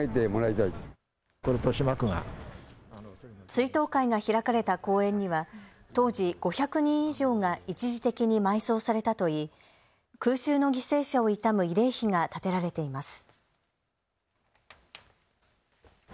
追悼会が開かれた公園には当時、５００人以上が一時的に埋葬されたといい空襲の犠牲者を悼む慰霊碑が建てられています。